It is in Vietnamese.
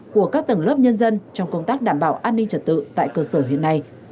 của các tầng lớp nhân dân trong công tác đảm bảo an ninh trật tự tại cơ sở hiện nay